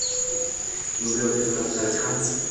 Yo’lda yotgan xaschalik ham